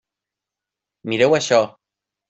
Mireu això!